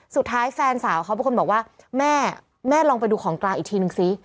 แฟนสาวเขาเป็นคนบอกว่าแม่แม่ลองไปดูของกลางอีกทีนึงซิ